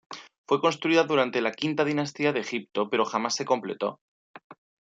Fue construida durante la Quinta dinastía de Egipto, pero jamás se completó.